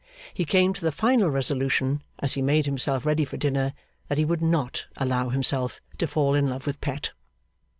He came to the final resolution, as he made himself ready for dinner, that he would not allow himself to fall in love with Pet.